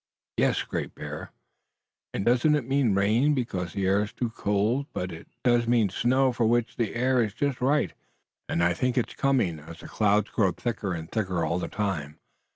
"Yes, Great Bear." "And it doesn't mean rain, because the air's too cold, but it does mean snow, for which the air is just right, and I think it's coming, as the clouds grow thicker and thicker all the time."